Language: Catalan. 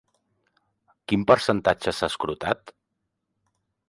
Quin percentatge s'ha escrutat?